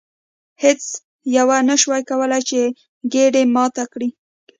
هیڅ یوه ونشوای کولی چې ګېډۍ ماته کړي.